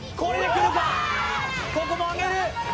ここも上げる。